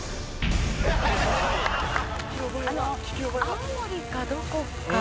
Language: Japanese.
青森かどこかの。